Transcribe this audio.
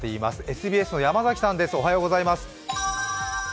ＳＢＳの山崎さんです。